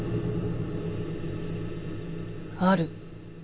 ある。